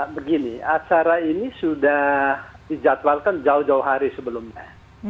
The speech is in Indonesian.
begini acara ini sudah dijadwalkan jauh jauh hari sebelumnya